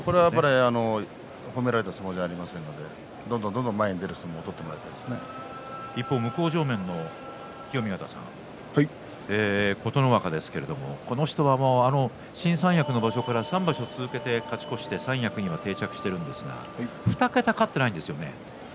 褒められた相撲じゃありませんのでどんどんどんどん向正面の清見潟さん琴ノ若ですが、この人は新三役の場所から３場所続けて勝ち越して三役には定着していますが２桁勝っていませんね。